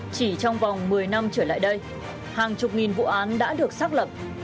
chỉ trong vòng một mươi năm trở lại đây hàng chục nghìn vụ án đã được xác lập